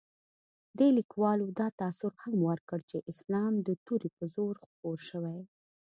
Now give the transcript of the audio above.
دې لیکوالو دا تاثر هم ورکړ چې اسلام د تورې په زور خپور شوی.